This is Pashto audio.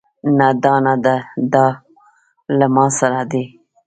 نه دا نده دا له ما سره دی